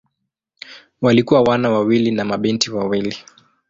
Walikuwa wana wawili na mabinti wawili.